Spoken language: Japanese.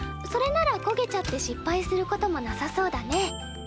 それならこげちゃって失敗することもなさそうだね。